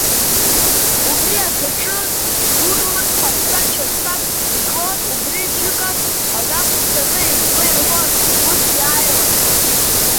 Убри аӡаҿы ҵәгәырла хамса-чамсак иклон, убри џьыкак нақәԥсаны иӡны ирфон, ус иааиуан.